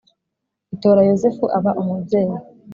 itora yozefu aba umubyeyi